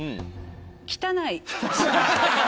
「汚い」。